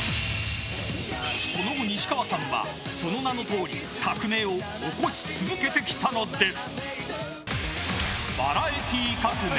その後、西川さんはその名の通り革命を起こし続けてきたのです。